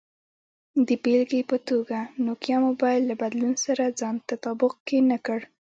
د بېلګې په توګه، نوکیا موبایل له بدلون سره ځان تطابق کې نه کړ.